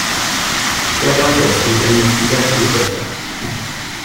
Ja danke, es geht im wieder viel besser.